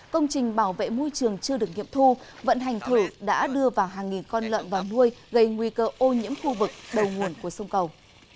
công trình bảo vệ môi trường chưa được nghiệm thu vận hành thử đã đưa vào hàng nghìn con lợn vào nuôi gây nguy cơ ô nhiễm khu vực đầu nguồn của sông cầu